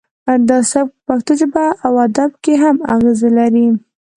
دا سبک په پښتو ژبه او ادب کې هم اغیز لري